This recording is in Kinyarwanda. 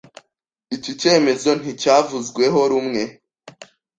Iki cyemezo nticyavuzweho rumwe